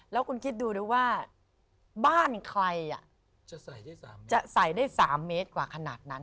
แล้วคุณคิดดูด้วยว่าบ้านใครจะใส่ได้๓เมตรกว่าขนาดนั้น